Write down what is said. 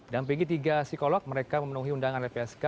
dan bagi tiga psikolog mereka memenuhi undangan lpsk